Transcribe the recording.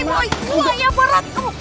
emang kebaya berat kamu